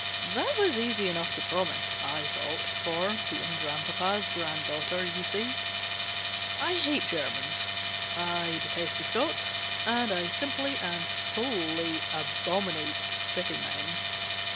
That was easy enough to promise, I thought, for (being grandpapa's grand daughter, you see) I hate Germans, I detest the Scotch, and I simply and solely abominate City men.